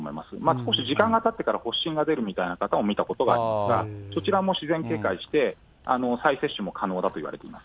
少し時間がたってから発疹が出るみたいな方も見たことがありますが、そちらも自然軽快して、再接種も可能だといわれています。